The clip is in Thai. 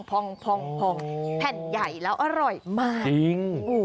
ผ่านใหญ่แล้วอร่อยมาก